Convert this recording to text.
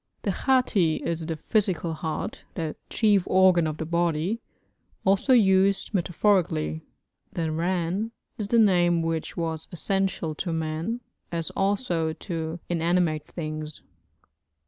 The hati is the physical heart, the 'chief' organ of the body, also used metaphorically. The ran is the name which was essential to man, as also to inanimate things.